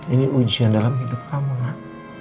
ini ujian dalam hidup kamu gak